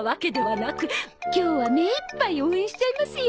今日はめいっぱい応援しちゃいますよ。